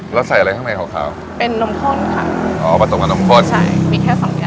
แล้วใส่อะไรข้างในขาวเป็นนมข้นค่ะอ๋อผสมกับนมข้นใช่มีแค่สองอย่าง